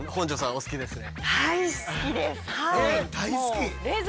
お好きですね？